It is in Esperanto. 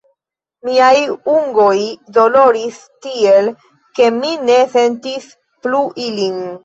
Miaj ungoj doloris tiel, ke mi ne sentis plu ilin.